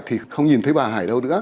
thì không nhìn thấy bà hải đâu nữa